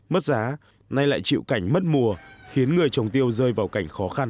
mất giá nay lại chịu cảnh mất mùa khiến người trồng tiêu rơi vào cảnh khó khăn